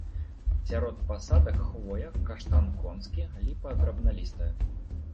Сярод пасадак хвоя, каштан конскі, ліпа драбналістая.